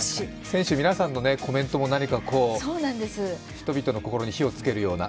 選手皆さんのコメントも人々の心に火をつけるような。